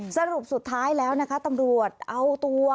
สรุปสุดท้ายแล้วนะคะตำรวจเอาตัว